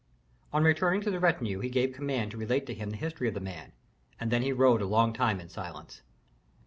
On returning to the retinue he gave command to relate to him the history of the man, and then he rode a long time in silence.